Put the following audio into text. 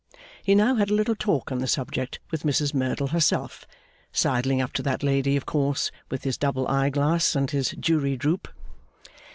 He now had a little talk on the subject with Mrs Merdle herself; sidling up to that lady, of course, with his double eye glass and his jury droop.